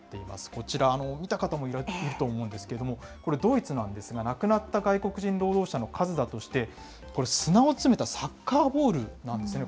こちら、見た方もいると思うんですけれども、これ、ドイツなんですが、亡くなった外国人労働者の数だとして、これ、砂を詰めたサッカーボールなんですね。